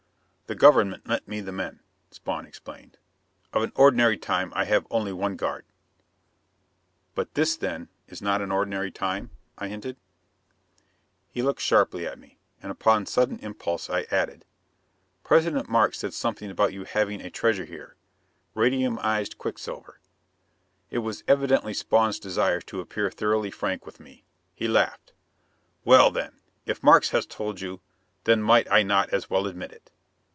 "The government lent me the men," Spawn explained. "Of an ordinary time I have only one guard." "But this then, is not an ordinary time?" I hinted. He looked at me sharply. And upon sudden impulse, I added: "President Markes said something about you having a treasure here. Radiumized quicksilver." It was evidently Spawn's desire to appear thoroughly frank with me. He laughed. "Well, then, if Markes has told you, then might I not as well admit it?